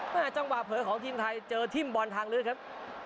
จังหวะเผลอของทีมไทยเจอทิ่มบอลทางลึกครับ